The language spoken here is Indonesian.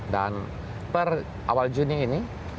dan per awal juni ini